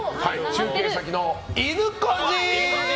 中継先の、いぬこじ！